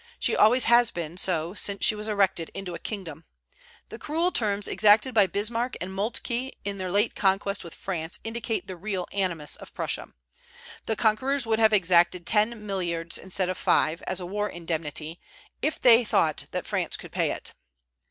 She always has been so since she was erected into a kingdom. The cruel terms exacted by Bismarck and Moltke in their late contest with France indicate the real animus of Prussia. The conquerors would have exacted ten milliards instead of five, as a war indemnity, if they had thought that France could pay it.